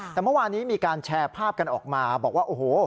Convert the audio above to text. แต่เมื่อวานี้มีการแชร์ภาพกันออกมาบอกว่าโอ้โห